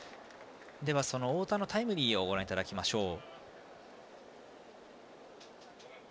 その太田のタイムリーをご覧いただきましょう。